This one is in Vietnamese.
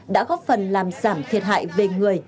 đã góp phần làm giảm thiệt hại về người